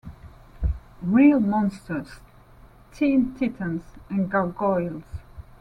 Real Monsters", "Teen Titans" and "Gargoyles".